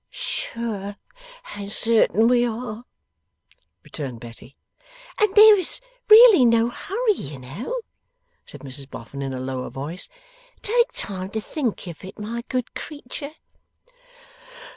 'Sure and certain we are,' returned Betty. 'And there really is no hurry, you know,' said Mrs Boffin in a lower voice. 'Take time to think of it, my good creature!